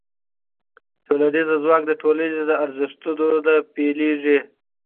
ټولنیز ځواک د ټولنې له ارزښتونو نه بېلېږي.